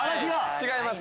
違います。